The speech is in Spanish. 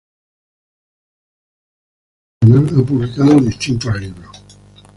Durante su larga carrera profesional ha publicado distintos libros.